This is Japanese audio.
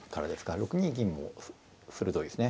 ６二銀も鋭いですね。